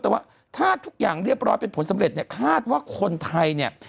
แต่ว่าถ้าทุกอย่างเรียบร้อยเป็นผลสำเร็จเนี่ยคาดว่าคนไทยเนี่ย